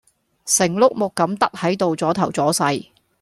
成碌木咁得喺度阻頭阻勢!